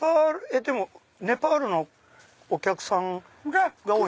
ネパールのお客さんが多い？